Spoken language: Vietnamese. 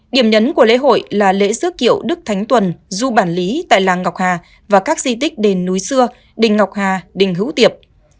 điểm nhấn của lễ hội là lễ dước kiệu đức thánh tuần du bản lý tại làng ngọc hà và các di tích đền núi xưa đình ngọc hà đình hữu tiệp